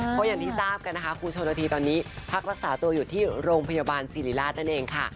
เพราะอย่างที่ทราบกันนะคะครูชนละทีตอนนี้พักรักษาตัวอยู่ที่โรงพยาบาลสิริราชนั่นเองค่ะ